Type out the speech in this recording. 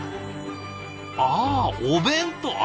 あお弁当。